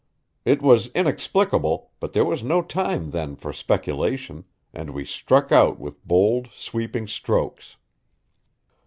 It was inexplicable, but there was no time then for speculation, and we struck out with bold, sweeping strokes.